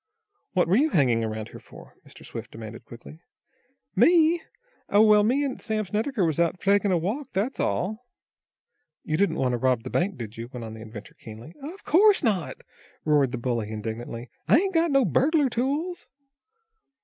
"What were you hanging around here for?" Mr. Swift demanded quickly. "Me? Oh, well, me an' Sam Snedecker was out takin' a walk. That's all." "You didn't want to rob the bank, did you?" went on the inventor, keenly. "Of course not," roared the bully, indignantly. "I ain't got no burglar tools."